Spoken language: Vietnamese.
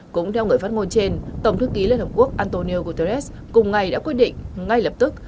cũng theo người phát ngôn trên tổng thư ký liên hợp quốc antonio guterres cùng ngày đã quyết định ngay lập tức